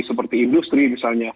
seperti industri misalnya